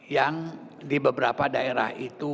yang di beberapa daerah itu